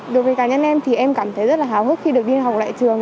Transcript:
đối với cá nhân em thì em cảm thấy rất là hào hức khi được đi học lại trường